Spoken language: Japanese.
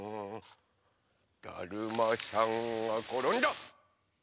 だるまさんがころんだ！